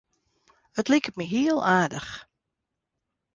It liket my hiel aardich.